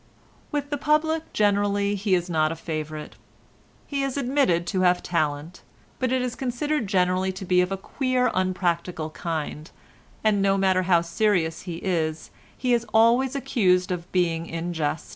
With the public generally he is not a favourite. He is admitted to have talent, but it is considered generally to be of a queer unpractical kind, and no matter how serious he is, he is always accused of being in jest.